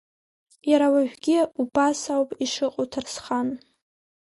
Иара уажәгьы убас ауп ишыҟоу, Ҭарсхан.